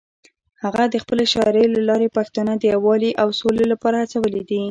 هغه د خپلې شاعرۍ له لارې پښتانه د یووالي او سولې لپاره هڅولي دي.